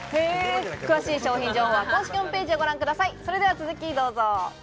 詳しい商品情報は公式ホームページをご覧ください。